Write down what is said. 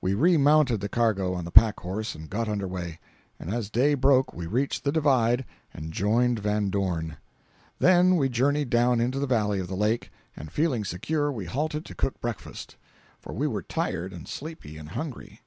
We remounted the cargo on the pack horse and got under way, and as day broke we reached the "divide" and joined Van Dorn. Then we journeyed down into the valley of the Lake, and feeling secure, we halted to cook breakfast, for we were tired and sleepy and hungry.